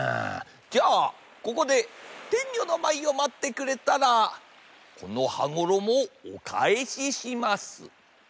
じゃあここでてんにょのまいをまってくれたらこの羽衣をおかえしします。